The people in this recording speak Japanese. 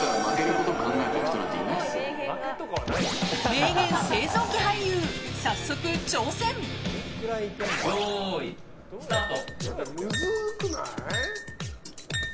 名言製造機俳優、早速挑戦！スタート！